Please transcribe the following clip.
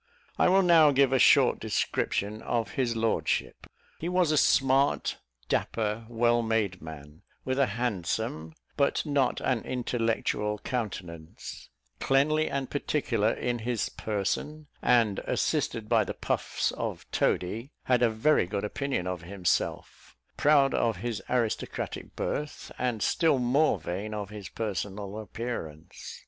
I will now give a short description of his lordship. He was a smart, dapper, well made man, with a handsome, but not an intellectual countenance; cleanly and particular in his person; and, assisted by the puffs of Toady, had a very good opinion of himself; proud of his aristocratic birth, and still more vain of his personal appearance.